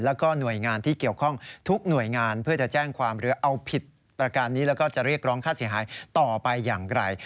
แล้วก็หน่วยงานที่เกี่ยวข้องทุกหน่วยงานเพื่อจะแจ้งความหรือเอาผิดประการนี้แล้วก็จะเรียกร้องค่าเสียหายต่อไปอย่างไร